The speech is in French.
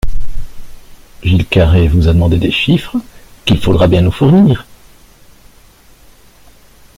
Gilles Carrez vous a demandé des chiffres, qu’il faudra bien nous fournir.